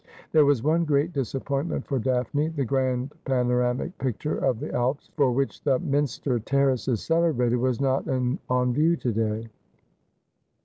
There was one great disap pointment for Daphne. The grand panoramic picture of the Alps, for which the minster terrace is celebrated, was not on view to day.